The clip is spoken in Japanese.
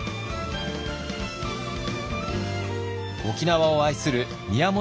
沖縄を愛する宮本